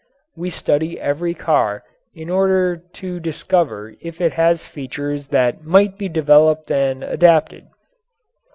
We study every car in order to discover if it has features that might be developed and adapted.